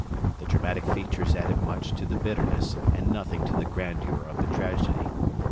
The dramatic features added much to the bitterness and nothing to the grandeur of the tragedy.